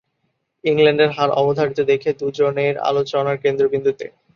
ইংল্যান্ডের হার অবধারিত দেখে দুজনের আলোচনার কেন্দ্রবিন্দুতে...